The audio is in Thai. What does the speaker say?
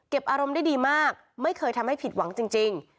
อารมณ์ได้ดีมากไม่เคยทำให้ผิดหวังจริง